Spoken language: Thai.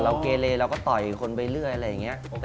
เกเลเราก็ต่อยคนไปเรื่อยอะไรอย่างนี้